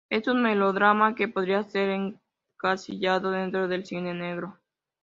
Es un melodrama que podría ser encasillado dentro del cine negro.